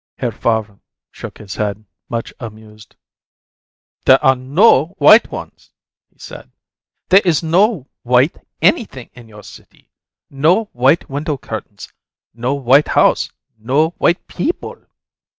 Herr Favre shook his head, much amused. "There are NO white ones," he said. "There is no white ANYTHING in your city; no white window curtains, no white house, no white peeble!"